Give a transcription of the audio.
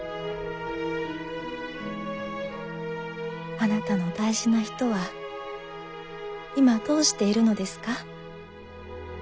あなたの大事な人は今どうしているのですか？